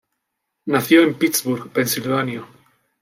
Nació en Pittsburgh, Pensilvania.